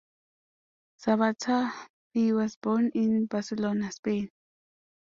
Sabater Pi was born in Barcelona, Spain.